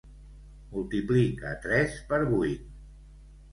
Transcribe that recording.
Multiplica tres per vuit.